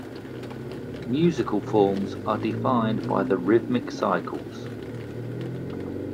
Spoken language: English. Musical forms are defined by the rhythmic cycles.